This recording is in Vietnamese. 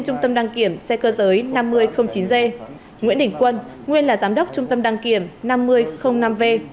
trung tâm đăng kiểm xe cơ giới năm mươi chín g nguyễn đỉnh quân nguyên là giám đốc trung tâm đăng kiểm năm mươi năm v